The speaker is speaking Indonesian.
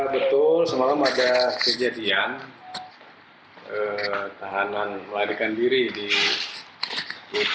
betul semalam ada kejadian tahanan melarikan diri di hutan polres boyolali